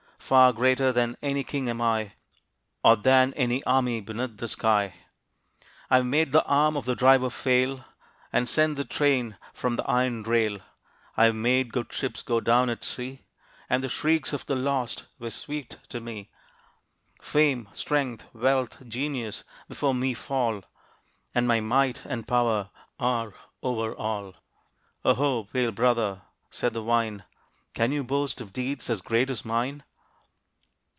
Far greater than any king am I, Or than any army beneath the sky. I have made the arm of the driver fail, And sent the train from the iron rail. I have made good ships go down at sea, And the shrieks of the lost were sweet to me. Fame, strength, wealth, genius before me fall; And my might and power are over all! Ho, ho! pale brother," said the wine, "Can you boast of deeds as great as mine?"